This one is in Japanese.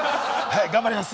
頑張ります。